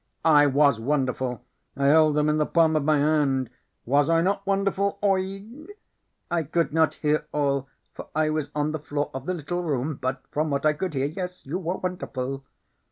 "I was wonderful. I held them in the palm of my hand. Was I not wonderful, Oeg?" "I could not hear all, for I was on the floor of the little room. But from what I could hear, yes, you were wonderful."